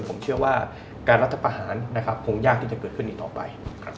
ผมเชื่อว่าการรัฐประหารนะครับคงยากที่จะเกิดขึ้นอีกต่อไป